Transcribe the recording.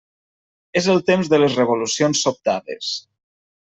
És el temps de les revolucions sobtades.